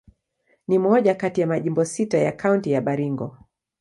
Ni moja kati ya majimbo sita ya Kaunti ya Baringo.